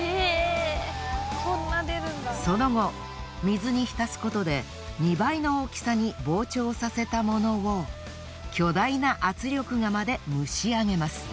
その後水に浸すことで２倍の大きさに膨張させたものを巨大な圧力釜で蒸しあげます。